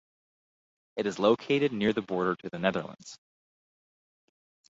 It is located near the border to the Netherlands.